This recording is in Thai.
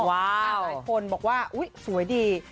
หลายคนบอกว่าอุ๊ยสวยดี